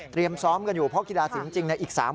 เตรียมซ้อมกันอยู่เพราะกีฬาศรีจริงในอีก๓วัน